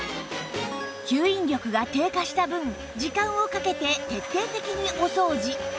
吸引力が低下した分時間をかけて徹底的にお掃除